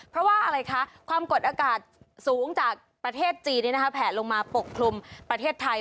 เพราะว่าอะไรคะความกดอากาศสูงจากประเทศจีนแผลลงมาปกคลุมประเทศไทย